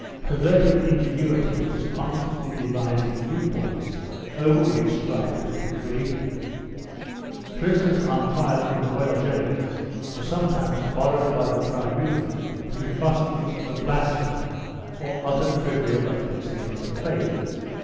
2 Perverted ingenuity was constantly devising new points over which strife could be created. Prisoners on trial in the royal gaols were sometimes borrowed by the tribunal to be prosecuted for blasphemy or other trivial offence against the faith.